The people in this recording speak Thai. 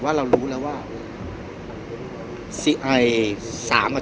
พี่อัดมาสองวันไม่มีใครรู้หรอก